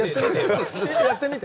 やってみて。